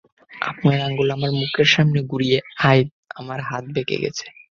আপনার আঙ্গুল আমার মুখের সামনে ঘুরিয়ে - অ্যাই, আমার হাত বেঁকে গেছে।